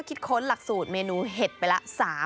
ค้นหลักสูตรเมนูเห็ดไปละ